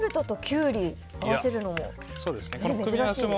ヨーグルトとキュウリを合わせるのも珍しいですね。